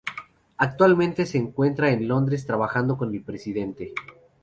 Actualmente se encuentra en Londres trabajando con el Presidente.